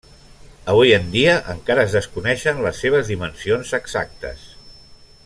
Avui en dia encara es desconeixen les seves dimensions exactes.